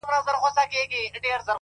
بيا هم وچكالۍ كي له اوبو سره راوتي يو.!